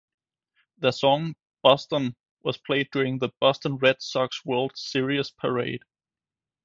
Their song "Boston" was played during the Boston Red Sox World Series parade.